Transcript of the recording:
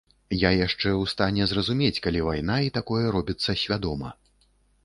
Я яшчэ ў стане зразумець, калі вайна і такое робіцца свядома.